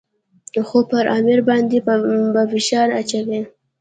خو پر امیر باندې به فشار اچوي.